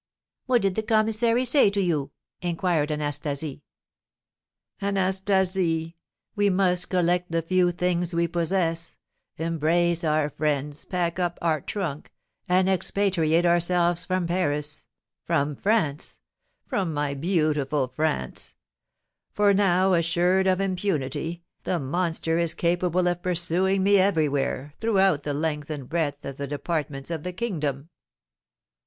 "What did the commissary say to you?" inquired Anastasie. "Anastasie, we must collect the few things we possess, embrace our friends, pack up our trunk, and expatriate ourselves from Paris, from France, from my beautiful France; for now, assured of impunity, the monster is capable of pursuing me everywhere, throughout the length and breadth of the departments of the kingdom."